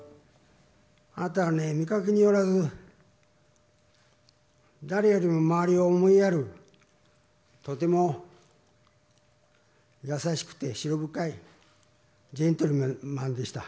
あなたはね、見かけによらず、誰よりも周りを思いやる、とても優しくて思慮深いジェントルマンでした。